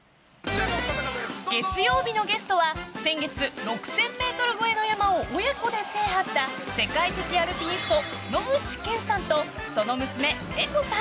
月曜日のゲストは先月、６０００ｍ超えの山を親子で制覇した世界的アルピニスト野口健さんとその娘、絵子さん。